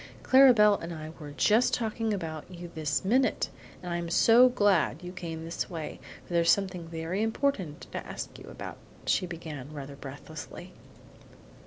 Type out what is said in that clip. "Clara Belle and I were just talking about you this minute, and I'm so glad you came this way, for there's something very important to ask you about," she began, rather breathlessly.